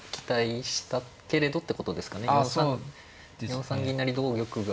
４三銀成同玉が。